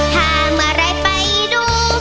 ถ้ามาไรไปดู